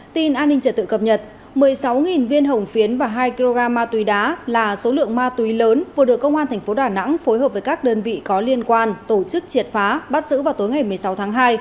tin an ninh trật tự cập nhật một mươi sáu viên hồng phiến và hai kg ma túy đá là số lượng ma túy lớn vừa được công an tp đà nẵng phối hợp với các đơn vị có liên quan tổ chức triệt phá bắt giữ vào tối ngày một mươi sáu tháng hai